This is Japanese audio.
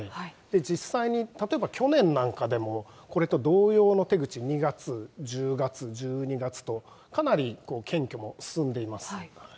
実際に例えば去年なんかでも、これと同様の手口、２月、１０月、１２月とかなり検挙も進んでいます。